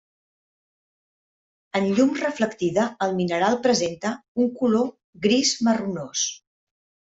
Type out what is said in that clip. En llum reflectida el mineral presenta un color gris marronós.